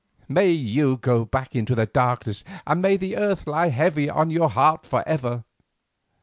May you go back into darkness and may the earth lie heavy on your heart for ever.